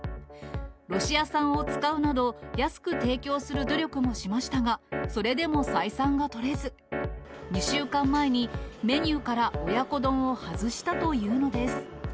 ロシア産を使うなど、安く提供する努力もしましたが、それでも採算が取れず、２週間前にメニューから親子丼を外したというのです。